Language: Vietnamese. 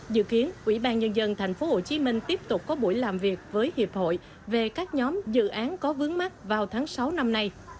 dự kiến ủy ban nhân dân tp hcm tiếp tục có buổi làm việc với hiệp hội về các nhóm dự án có vướng mắt vào tháng sáu năm nay